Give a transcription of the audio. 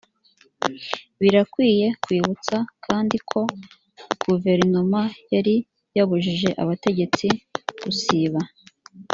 birakwiye kwibutsa kandi ko guverinoma yari yabujije abategetsi gusiba